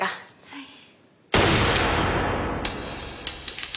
はい。